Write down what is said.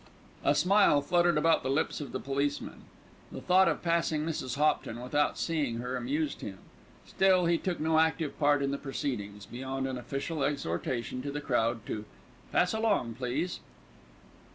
A smile fluttered about the lips of the policeman. The thought of passing Mrs. Hopton without seeing her amused him; still he took no active part in the proceedings, beyond an official exhortation to the crowd to "pass along, please."